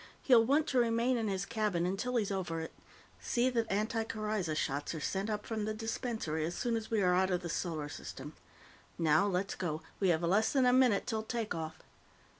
He'll want to remain in his cabin until he's over it. See that anti coryza shots are sent up from the dispensary as soon as we are out of the Solar System. Now, let's go; we have less than a minute till take off."